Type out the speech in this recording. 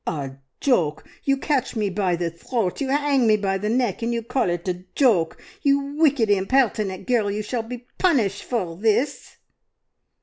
"A joke! You catch me by the throat, you 'ang me by the neck, and you call it a joke! You wicked, impertinent girl, you shall be punished for this!"